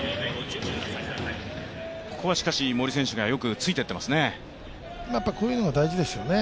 ここはしかし森選手がよくついていっていますね。